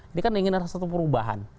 ini kan ingin ada satu perubahan